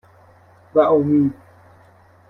وامید